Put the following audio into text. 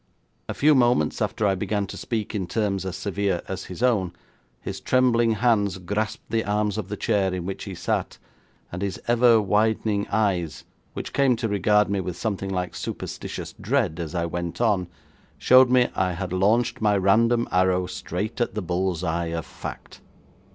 A few moments after I began to speak in terms as severe as his own, his trembling hands grasped the arms of the chair in which he sat, and his ever widening eyes, which came to regard me with something like superstitious dread as I went on, showed me I had launched my random arrow straight at the bull's eye of fact.